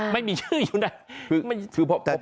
ไม่มีชื่ออยู่นะ